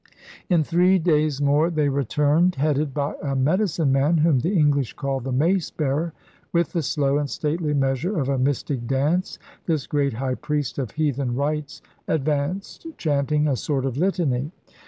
In three days more they returned, headed by a Medicine man, whom the English called the * mace bearer.' With the slow and stately measure of a mystic dance this great high priest of heathen rites advanced chanting a sort of litany.